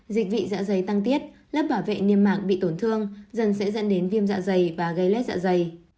dịch vị dạ dày tăng tiết lớp bảo vệ niêm mạc bị tổn thương dần sẽ dẫn đến viêm dạ dày và gây lét dạ dày